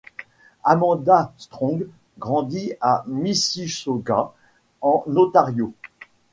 Amanda Strong grandit à Mississauga en Ontario.